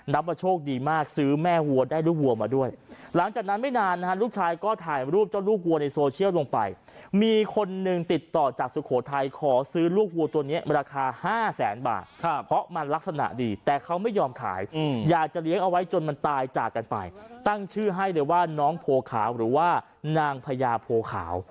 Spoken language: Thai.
ว่าโชคดีมากซื้อแม่วัวได้ลูกวัวมาด้วยหลังจากนั้นไม่นานนะฮะลูกชายก็ถ่ายรูปเจ้าลูกวัวในโซเชียลลงไปมีคนหนึ่งติดต่อจากสุโขทัยขอซื้อลูกวัวตัวนี้ราคาห้าแสนบาทเพราะมันลักษณะดีแต่เขาไม่ยอมขายอยากจะเลี้ยงเอาไว้จนมันตายจากกันไปตั้งชื่อให้เลยว่าน้องโพขาวหรือว่านางพญาโพขาว